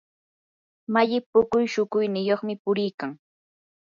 malli puka shukuyniyuqmi puriykan.